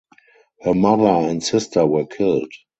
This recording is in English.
Her mother and sister were killed.